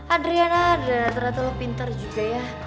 adriana dan rata rata lo pintar juga ya